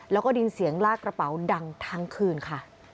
แล้วก็ดินเสียงลากกระเป๋าดังทั้งคืนค่ะ